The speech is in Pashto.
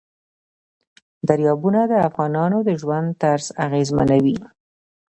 دریابونه د افغانانو د ژوند طرز اغېزمنوي.